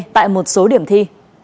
tại một số điểm thi